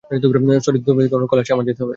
Sorry, দূতাবাস থেকে অনেক কল আসছে, আমার যেতে হবে।